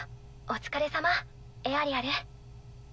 お疲れさまエアリアル。